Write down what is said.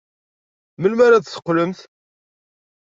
Melmi ara d-teqqlemt?